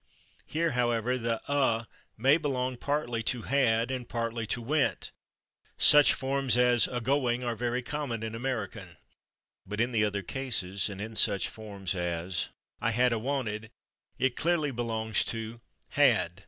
Here, however, the /a/ may belong partly to /had/ and partly to /went/; such forms as /a going/ are very common in American. But in the other cases, and in such forms as "I had '/a/ wanted," it clearly belongs to /had